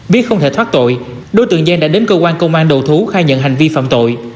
biết không thể thoát tội đối tượng giang đã đến cơ quan công an đầu thú khai nhận hành vi phạm tội